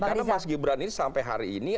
karena mas gibran ini sampai hari ini